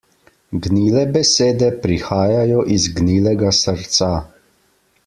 Gnile besede prihajajo iz gnilega srca.